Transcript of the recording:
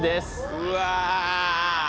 うわ。